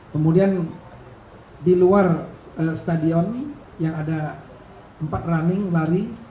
kemudian di luar stadion yang ada empat running lari